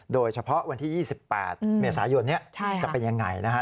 โดยเฉพาะวันที่๒๘เมษายนนี้จะเป็นยังไงนะฮะ